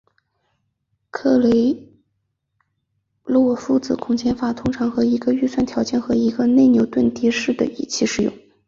克雷洛夫子空间法通常和一个预条件算子和一个内牛顿迭代一起使用。